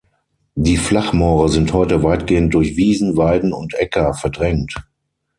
Die Flachmoore sind heute weitgehend durch Wiesen, Weiden und Äcker verdrängt.